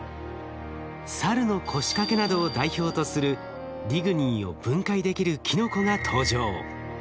サルノコシカケなどを代表とするリグニンを分解できるキノコが登場。